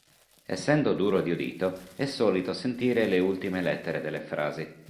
Essendo duro di udito è solito sentire le ultime lettere delle frasi.